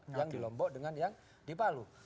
yang di lombok dengan yang di palu